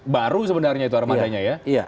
baru sebenarnya itu armadanya ya